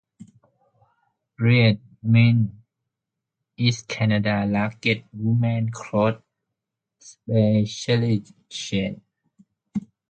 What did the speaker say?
Reitmans is Canada's largest women's clothing specialty chain.